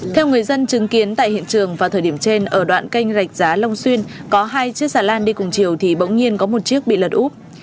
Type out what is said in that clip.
theo người dân chứng kiến tại hiện trường vào thời điểm trên ở đoạn canh rạch giá long xuyên có hai chiếc xà lan đi cùng chiều thì bỗng nhiên có một chiếc bị lật úp